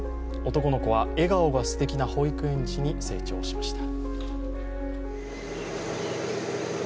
男の子は笑顔がすてきな保育園児に成長しました。